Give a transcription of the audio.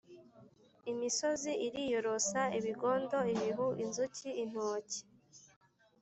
Imisozi iriyorosa ibigondo-Ibihu - Inzuki - Intoki.